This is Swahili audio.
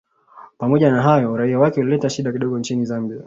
Pamoja na hayo uraia wake ulileta shida kidogo nchini Zambia